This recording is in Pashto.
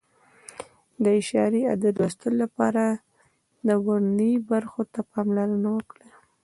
د اعشاري عدد لوستلو لپاره د ورنیې برخو ته پاملرنه وکړئ.